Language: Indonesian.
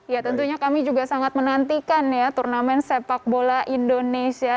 ya tentunya kami juga sangat menantikan ya turnamen sepak bola indonesia